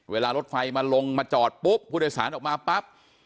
เวลารถไฟมาลงมาจอดปุ๊บผู้โดยสารออกมาปั๊บ